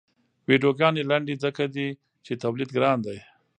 ویډیوګانې لنډې ځکه دي چې تولید ګران دی.